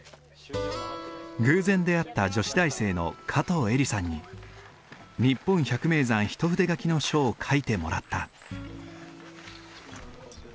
偶然出会った女子大生の加藤瑛理さんに「日本百名山一筆書き」の書を書いてもらった。